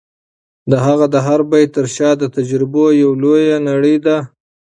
د هغه د هر بیت تر شا د تجربو یوه لویه نړۍ ده.